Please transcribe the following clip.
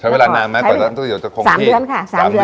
เวลานานแม้กว่าจะโครงที่